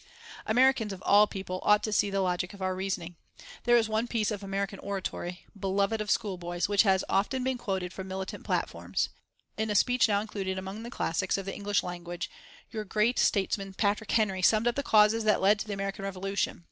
Americans, of all people, ought to see the logic of our reasoning. There is one piece of American oratory, beloved of schoolboys, which has often been quoted from militant platforms. In a speech now included among the classics of the English language your great statesman, Patrick Henry, summed up the causes that led to the American Revolution.